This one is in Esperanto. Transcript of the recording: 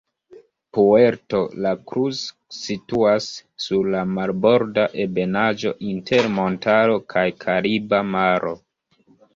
Puerto la Cruz situas sur la marborda ebenaĵo inter montaro kaj Kariba Maro.